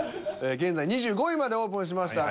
現在２５位までオープンしました。